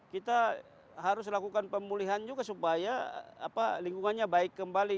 kita harus lakukan pemulihan juga supaya lingkungannya baik kembali